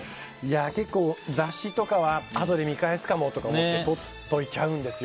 結構、雑誌とかはあとで見返すかもとか思ってとっておいちゃうんですよ。